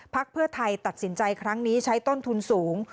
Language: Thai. เพื่อไทยตัดสินใจครั้งนี้ใช้ต้นทุนสูง